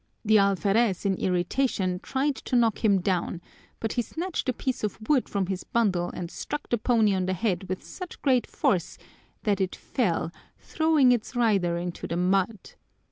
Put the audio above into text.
The alferez in irritation tried to knock him down, but he snatched a piece of wood from his bundle and struck the pony on the head with such great force that it fell, throwing its rider into the mud.